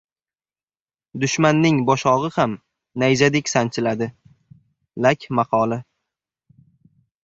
Dushmanning boshog‘i ham nayzadek sanchiladi. Lak maqoli